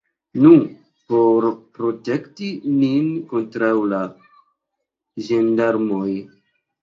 Nu, por protekti nin kontraŭ la ĝendarmoj!